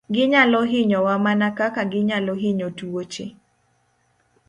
Ginyalo hinyowa mana kaka ginyalo hinyo tuoche.